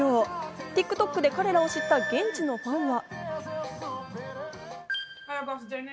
ＴｉｋＴｏｋで彼らを知った現地のファンは。